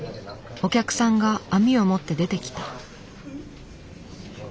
お客さんが網を持って出てきた。